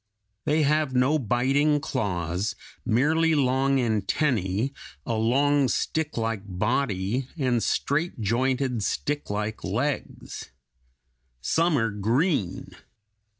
They have no biting claws, merely long antennæ, a long, sticklike body, and straight jointed, sticklike legs. Some are green.